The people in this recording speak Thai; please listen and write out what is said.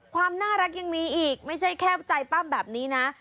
ความน่ารักยังมีอีกไม่ใช่แค่ใจปั้มแบบนี้นะ